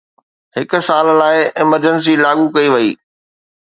هڪ سال لاءِ ايمرجنسي لاڳو ڪئي وئي